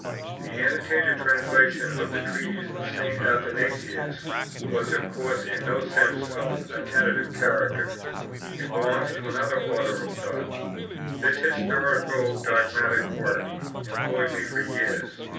The annotated Translation of the Treatises of St. Athanasius was of course in no sense of a tentative character; it belongs to another order of thought. This historico dogmatic work employed me for years.